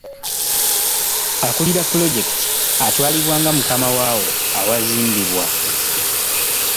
Akulira pulojekiti atwalibwa nga mukama waawo awazimbibwa.